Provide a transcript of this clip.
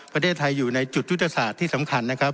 ประเทศไทยอยู่ในจุดยุทธศาสตร์ที่สำคัญนะครับ